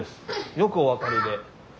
よくお分かりで。